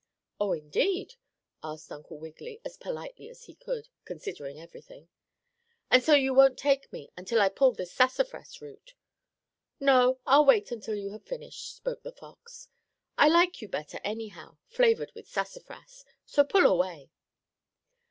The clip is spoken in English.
"Oh, indeed?" asked Uncle Wiggily, as politely as he could, considering everything. "And so you won't take me until I pull this sassafras root?" "No, I'll wait until you have finished," spoke the fox. "I like you better, anyhow, flavored with sassafras. So pull away."